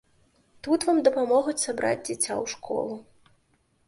Тут вам дапамогуць сабраць дзіця ў школу.